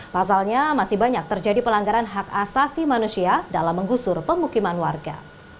pasalnya masih banyak terjadi pelanggaran hak asasi manusia dalam menggusur pemukiman warga